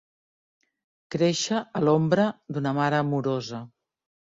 Créixer a l'ombra d'una mare amorosa.